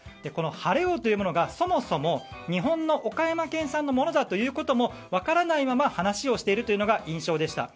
晴王というものがそもそも日本の岡山県産のものだというのも分からないまま話をしているという印象でした。